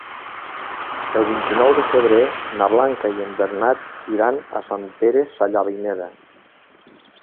El vint-i-nou de febrer na Blanca i en Bernat iran a Sant Pere Sallavinera.